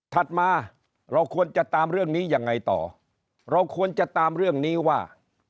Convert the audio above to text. ถัดมาเราควรจะตามเรื่องนี้ยังไงต่อเราควรจะตามเรื่องนี้ว่า